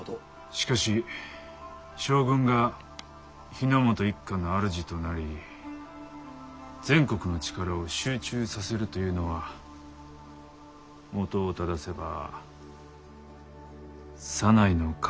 しかし将軍が日の本一家の主となり全国の力を集中させるというのは本を正せば左内の考えだ。